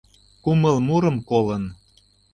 Кумыл мурым колын